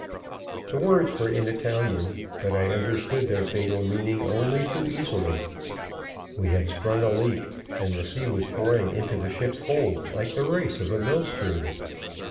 The words were in Italian, but I understood their fatal meaning only too easily. We had sprung a leak, and the sea was pouring into the ship's hold like the race of a mill stream.